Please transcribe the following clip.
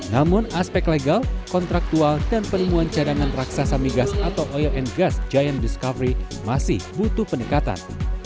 namun aspek legal kontraktual dan penemuan cadangan raksasa migas atau oil and gas giant discovery masih butuh peningkatan